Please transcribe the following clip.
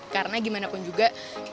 karena gimana pun juga